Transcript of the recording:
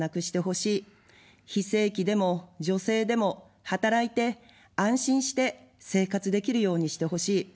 非正規でも女性でも働いて、安心して生活できるようにしてほしい。